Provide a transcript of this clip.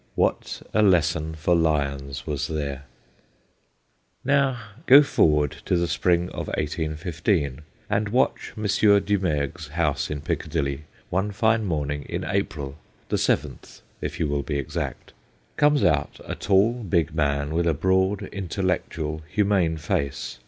What a lesson for lions was there ! Now go forward to the spring of 1815 and watch M. Dumergue's house in Piccadilly, one fine morning in April the 7th, if you will be exact. Comes out a tall, big man with a broad, intellectual, humane face.